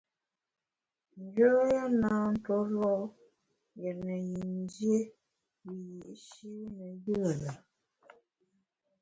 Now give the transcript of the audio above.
Njoya na tue lo’ yètne yin dié wiyi’shi ne yùe lùm.